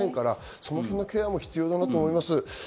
そこのケアも必要だなと思います。